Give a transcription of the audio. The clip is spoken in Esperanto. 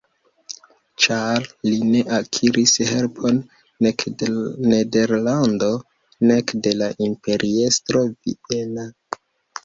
Ĉar li ne akiris helpon nek de Nederlando nek de la imperiestro viena.